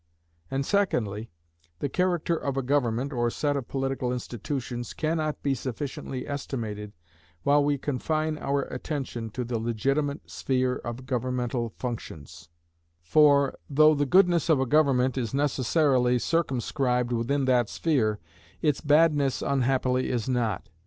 And, secondly, the character of a government or set of political institutions can not be sufficiently estimated while we confine our attention to the legitimate sphere of governmental functions; for, though the goodness of a government is necessarily circumscribed within that sphere, its badness unhappily is not.